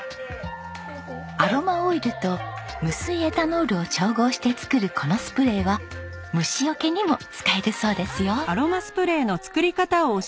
アロマオイルと無水エタノールを調合して作るこのスプレーは虫よけにも使えるそうですよ。